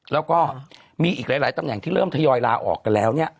แล้วก็มีอีกหลายตำแหน่งที่เริ่มทยอยลาออกกันแล้วเนี่ย